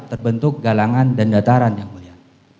terbentuk galangan dan dataran yang mulia